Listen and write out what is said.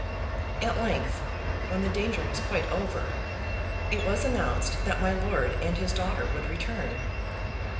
At length, when the danger was quite over, it was announced that my lord and his daughter would return.